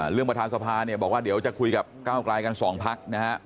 เรื่องประธานสภาบอกว่าเดี๋ยวจะคุยกับก้ากลายกัน๒พัก